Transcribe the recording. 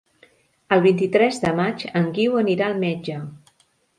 El vint-i-tres de maig en Guiu anirà al metge.